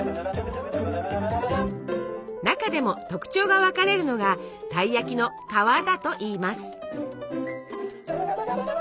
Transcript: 中でも特徴が分かれるのがたい焼きの「皮」だといいます。